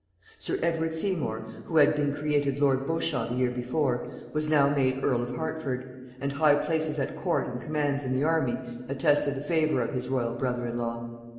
Sir Edward Seymour, who had been created lord Beauchamp the year before, was now made earl of Hertford; and high places at court and commands in the army attested the favor of his royal brother in law.